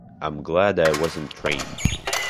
I'm glad I wasn't trained.